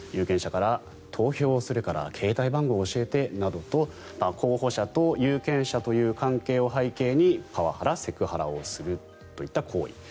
有権者から投票するから携帯番号を教えてなどと候補者と有権者という関係を背景にパワハラセクハラをするといった行為。